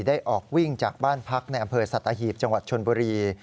ได้ออกวิ่งจากบ้านพักในอำเภอสัตหีบจังหวัดชนบุรี